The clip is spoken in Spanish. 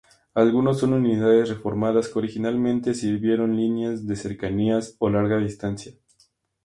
Algunos son unidades reformadas que originalmente sirvieron líneas de Cercanías o larga distancia.